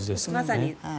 まさに。